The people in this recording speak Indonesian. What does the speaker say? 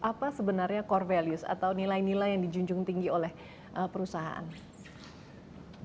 apa sebenarnya core values atau nilai nilai yang dijunjung tinggi oleh perusahaan